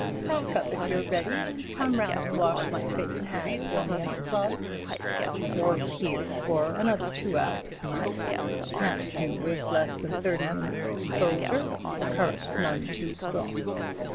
"Pack up if you're ready, and come round and wash my face and hands for me at the club." "Work here for another two hours, my lord. Can't do with less than thirty minutes' exposure. The current's none too strong."